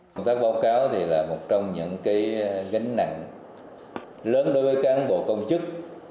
công tác báo cáo là một trong những gánh nặng lớn đối với cán bộ công chức